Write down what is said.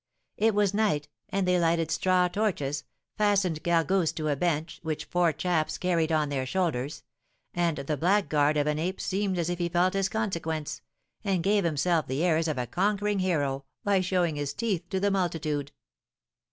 It was night, and they lighted straw torches, fastened Gargousse to a bench, which four chaps carried on their shoulders; and the blackguard of an ape seemed as if he felt his consequence, and gave himself the airs of a conquering hero, by showing his teeth to the multitude.